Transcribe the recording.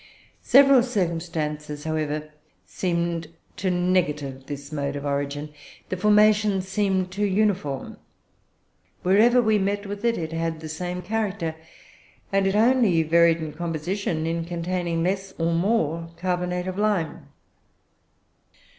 Several circumstances seemed, however, to negative this mode of origin. The formation seemed too uniform: wherever we met with it, it had the same character, and it only varied in composition in containing less or more carbonate of lime.